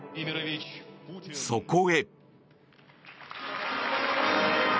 そこへ。